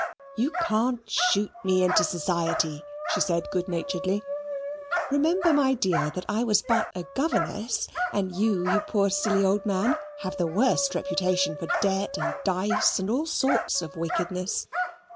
"You can't shoot me into society," she said good naturedly. "Remember, my dear, that I was but a governess, and you, you poor silly old man, have the worst reputation for debt, and dice, and all sorts of wickedness.